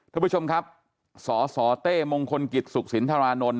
ท่านผู้ชมครับสสเต้มงคลกิจสุขสินทรานนท์